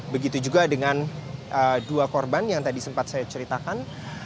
begitu juga dengan dua korban yang tadi sempat saya ceritakan